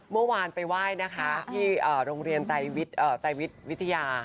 เมื่อวานไปไหว้นะคะที่โรงเรียนไตรวิทย์วิทยา